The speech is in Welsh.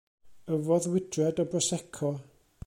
Yfodd wydriad o brosecco.